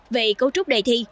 về cấu trúc đề thi